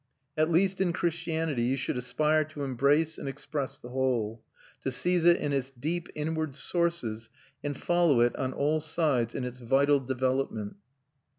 At least in Christianity you should aspire to embrace and express the whole; to seize it in its deep inward sources and follow it on all sides in its vital development.